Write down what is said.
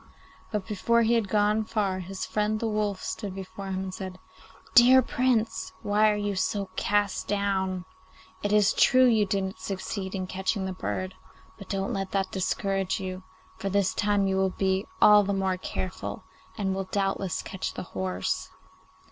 But before he had gone far his friend the wolf stood before him and said, 'Dear Prince, why are you so cast down? It is true you didn't succeed in catching the bird; but don't let that discourage you, for this time you will be all the more careful, and will doubtless catch the horse.